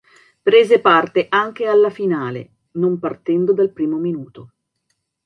Prese parte anche alla finale, non partendo dal primo minuto.